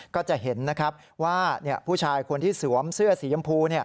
ก็จะเห็นนะครับว่าผู้ชายคนที่สวมเสื้อสียำพู